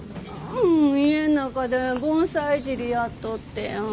うん家ん中で盆栽いじりやっとってや。